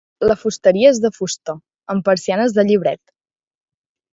La fusteria és de fusta amb persianes de llibret.